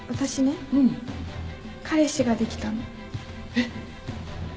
えっ？